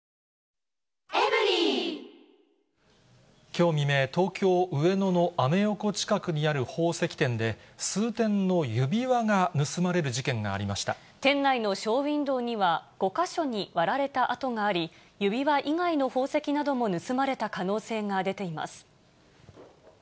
きょう未明、東京・上野のアメ横近くにある宝石店で、数点の指輪が盗まれる事店内のショーウィンドーには、５か所に割られた跡があり、指輪以外の宝石なども盗まれた可能性が出ています。